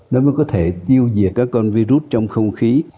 nó mới có thể tiêu diệt các con virus trong không khí